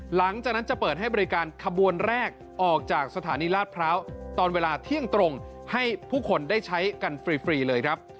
หลังจากนั้นจะเปิดให้บริการขบวนแรกออกจากสถานีราชพร้าวตอนเวลาเที่ยงตรงให้ผู้คนได้ใช้กันฟรีเลยครับ